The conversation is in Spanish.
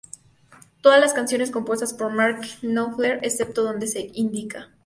Todas las canciones compuestas por Mark Knopfler excepto donde se indica.